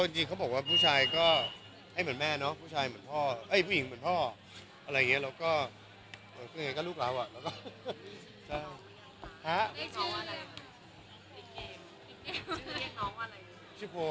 จริงเค้าบอกว่าผู้ชายไม่เหมือนแม่ผู้หญิงเหมือนพ่อ